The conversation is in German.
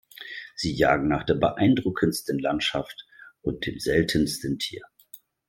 Sie jagen nach der beeindruckendsten Landschaft und dem seltensten Tier.